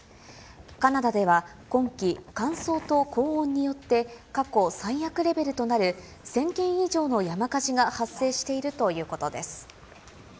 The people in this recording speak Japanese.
カナダでは今季、乾燥と高温によって、過去最悪レベルとなる１０００件以上の山火事が発生しているということです。